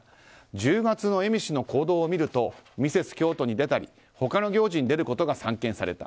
１０月の恵美氏の行動を出るとミセス京都に出たり他の行事に出ることが散見された。